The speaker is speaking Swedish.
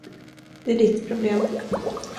Det är ditt problem.